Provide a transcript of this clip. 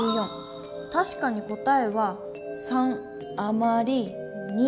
たしかに答えは３あまり２。